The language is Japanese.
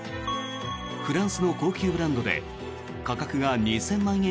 フランスの高級ブランドで価格が２０００万円